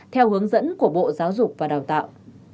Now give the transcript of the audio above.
theo hướng dẫn của bộ giáo dục và đào tạo